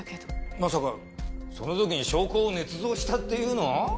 まさかその時に証拠を捏造したっていうの？